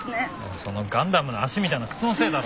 そのガンダムの足みたいな靴のせいだろ。